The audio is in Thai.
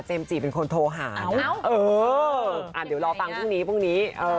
เจมส์จีบเป็นคนโทรหานะเดี๋ยวรอฟังพรุ่งนี้